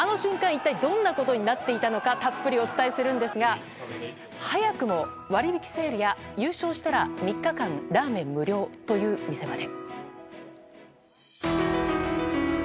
一体どんなことになっていたのかたっぷりお伝えするんですが早くも、割引セールや優勝したら３日間ラーメン無料という店まで。